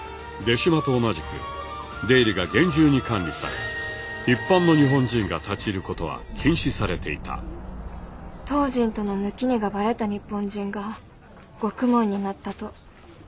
出島と同じく出入りが厳重に管理され一般の日本人が立ち入ることは禁止されていた唐人との抜荷がばれた日本人が獄門になったと。